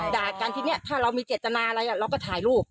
ด่ากันทีนี้ถ้าเรามีเจตนาอะไรเราก็ถ่ายรูป